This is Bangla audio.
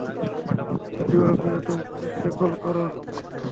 জোয়া প্রিয়তম, পুলিশকে কল করো।